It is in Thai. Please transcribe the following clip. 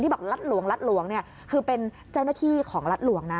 บอกรัฐหลวงรัฐหลวงเนี่ยคือเป็นเจ้าหน้าที่ของรัฐหลวงนะ